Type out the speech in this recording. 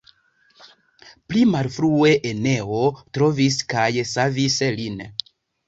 Pli malfrue Eneo trovis kaj savis lin.